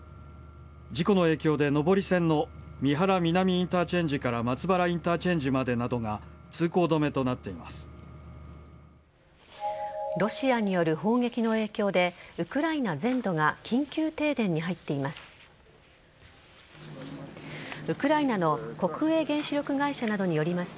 事故の影響で上り線の美原南インターチェンジから松原インターチェンジまでがロシアによる砲撃の影響でウクライナ全土が緊急停電に入っています。